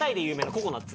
ココナッツ！